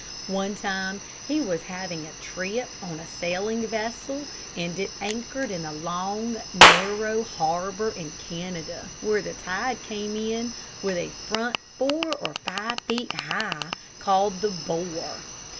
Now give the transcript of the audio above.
One time he was having a trip on a sailing vessel, and it anchored in a long, narrow harbor in Canada, where the tide came in with a front four or five feet high called the "bore."